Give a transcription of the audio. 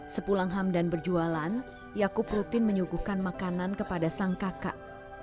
sepulang hamdan berjualan yaakub rutin menyuguhkan makanan kepada sang kakak